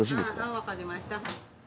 はい分かりました。